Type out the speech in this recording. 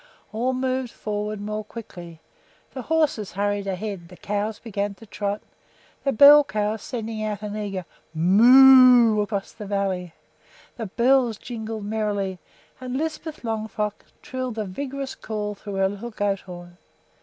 All moved forward more quickly. The horses hurried ahead; the cows began to trot, the bell cow sending out an eager Moo oo! across the valley; the bells jingled merrily; and Lisbeth Longfrock trilled a vigorous call through her little goat horn.